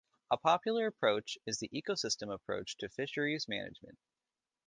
A popular approach is the ecosystem approach to fisheries management.